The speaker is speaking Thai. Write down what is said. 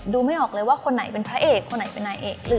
ไม่ออกเลยว่าคนไหนเป็นพระเอกคนไหนเป็นนางเอก